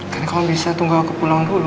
kan kamu bisa tunggu aku pulang dulu